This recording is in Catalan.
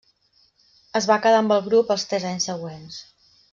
Es va quedar amb el grup els tres anys següents.